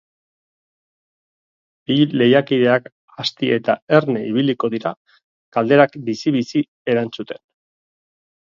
Bi lehiakideak azti eta erne ibiliko dira, galderak bizi-bizi erantzuten.